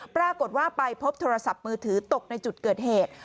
ปรากฏว่าไปพบโทรศัพท์มือถือตกในจุดเกิดเหตุ